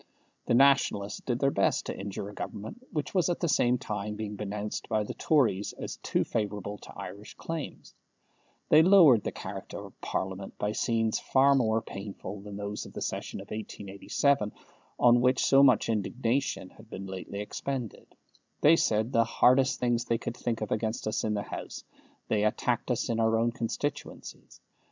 The Nationalists did their best to injure a Government which was at the same time being denounced by the Tories as too favourable to Irish claims; they lowered the character of Parliament by scenes far more painful than those of the session of 1887, on which so much indignation has been lately expended; they said the hardest things they could think of against us in the House; they attacked us in our constituencies.